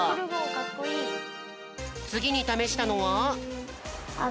つぎにためしたのは。